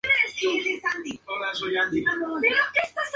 Debutó en un partido amistoso ante el Club Olimpia de Paraguay.